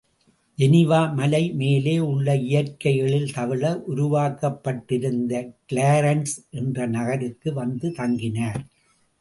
Geneva மலை மேலே உள்ள இயற்கை எழில் தவழ, உருவாக்கப்பட்டிருந்த கிளாரன்ஸ் என்ற நகருக்கு வந்து தங்கினார்!